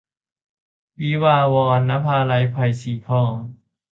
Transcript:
วิวาห์วอน - นภาลัย ไผ่สีทอง